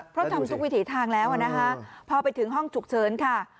เพราะทำทุกวิถีทางแล้วนะคะพอไปถึงห้องฉุกเฉินค่ะ